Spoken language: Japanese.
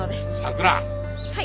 はい。